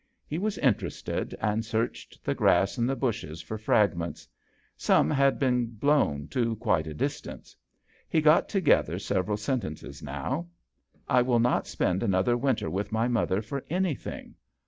He was interested, and searched the grass and the bushes for fragments. Some had been blown to quite a distance. He got together several sentences now. " I will not spend another winter with my mother for any thing.